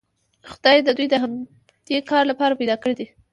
خدای دوی د همدې کار لپاره پیدا کړي دي.